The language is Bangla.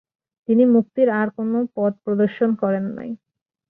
তিনি মুক্তির আর কোন পথ প্রদর্শন করেন নাই।